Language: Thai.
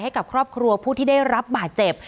ให้กับครอบครัวผู้ที่ได้รับบาดเจ็บ